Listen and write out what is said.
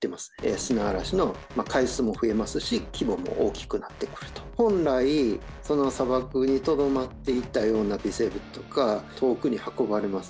砂嵐の回数も増えますし規模も大きくなってくると本来その砂漠にとどまっていたような微生物とか遠くに運ばれます。